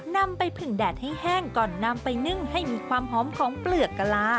นำไปผึ่งแดดให้แห้งก่อนนำไปนึ่งให้มีความหอมของเปลือกกะลา